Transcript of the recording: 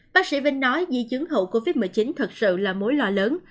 bác sĩ vinh nói di chứng hậu covid một mươi chín thật sự là mối lo lớn